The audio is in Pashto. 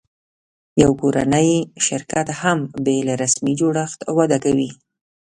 یو کورنی شرکت هم بېله رسمي جوړښت وده کوي.